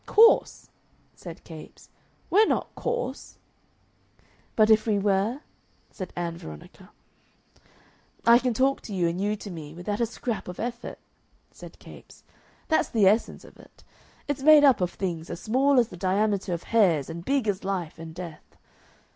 "Coarse?" said Capes, "We're not coarse." "But if we were?" said Ann Veronica. "I can talk to you and you to me without a scrap of effort," said Capes; "that's the essence of it. It's made up of things as small as the diameter of hairs and big as life and death....